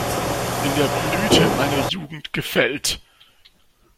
In der Blüte meiner Jugend gefällt.